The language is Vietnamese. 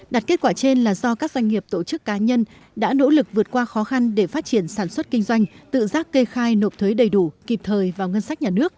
đạt kết quả trên là do các doanh nghiệp tổ chức cá nhân đã nỗ lực vượt qua khó khăn để phát triển sản xuất kinh doanh tự giác kê khai nộp thuế đầy đủ kịp thời vào ngân sách nhà nước